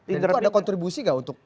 itu ada kontribusi nggak untuk